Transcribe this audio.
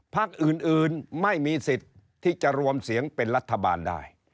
พักอื่นไม่มีสิทธิ์ที่จะรวมเสียงเป็นรัฐบาลได้